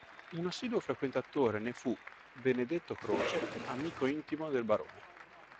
Un assiduo frequentatore ne fu Benedetto Croce, amico intimo del Barone.